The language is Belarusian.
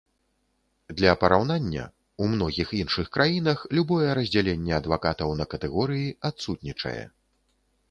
Для параўнання, у многіх іншых краінах любое раздзяленне адвакатаў на катэгорыі адсутнічае.